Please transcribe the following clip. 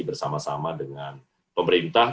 bersama sama dengan pemerintah